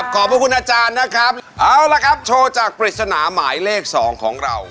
ขอบพระคุณอาจารย์นะครับเอาละครับโชว์จากปริศนาหมายเลข๒ของเรา